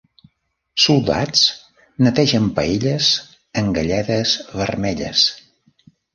Soldats netegen paelles en galledes vermelles.